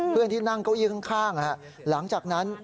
เพื่อนที่นั่งเก้าอี้ข้างหลังจากนั้น